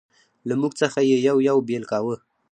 له موږ څخه یې یو یو بېل کاوه.